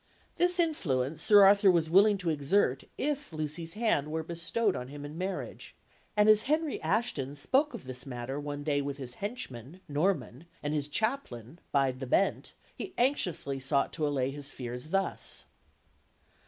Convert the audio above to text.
This influence Sir Arthur was willing to exert if Lucy's hand were bestowed on him in marriage; and as Henry Ashton spoke of this matter one day with his henchman, Norman, and his chaplain, Bide the Bent, he anxiously sought to allay his fears thus.